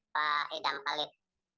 pak edam halil